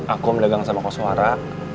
akum dagang sama kosuara